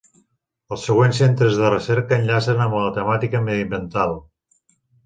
Els següents centres de recerca enllacen amb la temàtica mediambiental.